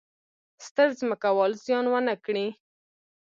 ستر ځمکوال زیان ونه کړي.